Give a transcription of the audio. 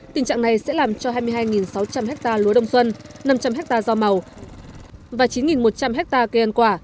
tình trạng này sẽ làm cho hai mươi hai sáu trăm linh ha lúa đông xuân năm trăm linh hectare do màu và chín một trăm linh hectare cây ăn quả